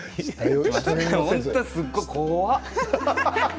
本当すっご怖っ！